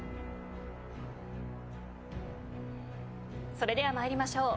それでは参りましょう。